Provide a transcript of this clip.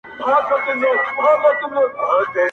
ژورنالستان د حقیقت لټون کوي